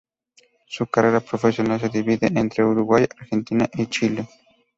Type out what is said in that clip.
Su carrera profesional se divide entre Uruguay, Argentina y Chile.